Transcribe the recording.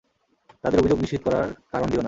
তাদের অভিযোগ নিশ্চিত করার কারণ দিও না।